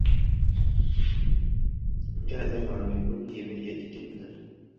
Omukyala yazaala balongo emirundi ebiri egiddiringana.